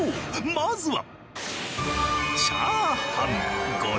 まずは。